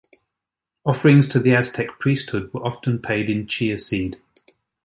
Offerings to the Aztec priesthood were often paid in chia seed.